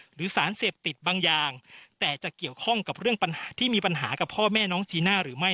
หรือสารเสพติดบางอย่างแต่จะเกี่ยวข้องกับเรื่องปัญหาที่มีปัญหากับพ่อแม่น้องจีน่าหรือไม่